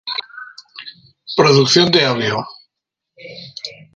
Producción de audio.